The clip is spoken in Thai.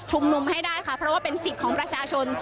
นุมให้ได้ค่ะเพราะว่าเป็นสิทธิ์ของประชาชน